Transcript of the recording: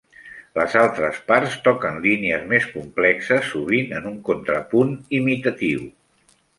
Les altres parts toquen línies més complexes, sovint en un contrapunt imitatiu.